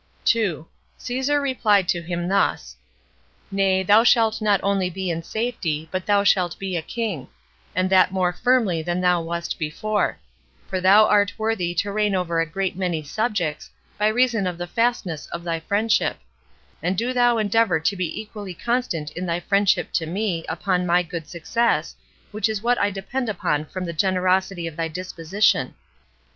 2. Caesar replied to him thus: "Nay, thou shalt not only be in safety, but thou shalt be a king; and that more firmly than thou wast before; for thou art worthy to reign over a great many subjects, by reason of the fastness of thy friendship; and do thou endeavor to be equally constant in thy friendship to me, upon my good success, which is what I depend upon from the generosity of thy disposition.